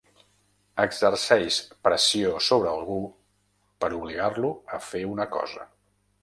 Exerceix pressió sobre algú per obligar-lo a fer una cosa.